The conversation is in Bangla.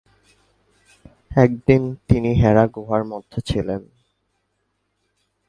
একদিন তিনি হেরা গুহার মধ্যে ছিলেন।